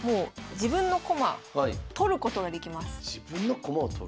自分の駒を取ることができる？